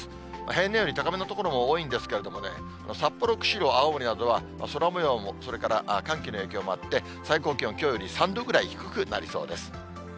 平年より高めの所も多いんですけれどもね、札幌、釧路、青森などは、空もようも、それから寒気の影響もあって、最高気温、きょうより３度ぐらい低くなりそうです。